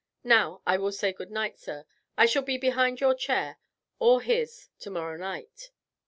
Now I will say good night, sir. I shall be behind your chair or his tomorrow night."